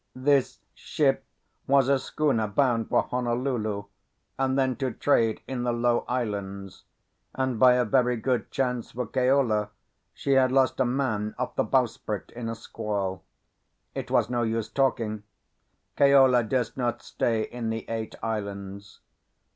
This ship was a schooner bound for Honolulu, and then to trade in the low islands; and by a very good chance for Keola she had lost a man off the bowsprit in a squall. It was no use talking. Keola durst not stay in the Eight Islands.